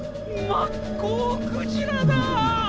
マッコウクジラだ！